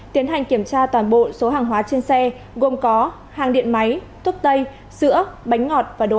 tiến hành kiểm tra toàn bộ số hàng hóa trên xe gồm có hàng điện máy thuốc tây sữa bánh ngọt và đồ ăn